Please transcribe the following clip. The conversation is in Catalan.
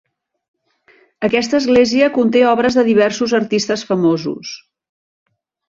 Aquesta església conté obres de diversos artistes famosos.